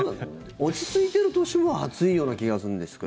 落ち着いてる年も暑いような気がするんですけど。